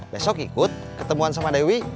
besok ikut ketemuan sama dewi